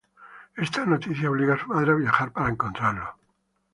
Esta noticia obliga a su madre a viajar para encontrarlo.